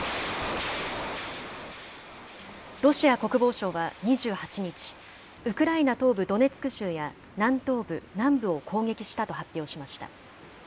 ロシア国防省は２８日、ウクライナ東部ドネツク州や南東部、南部を攻撃したと発表しました。